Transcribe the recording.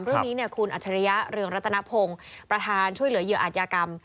เรื่องนี้คุณอัจฉริยะเรืองรัตนพงศ์ประธานช่วยเหลือเหยื่ออาจยากรรม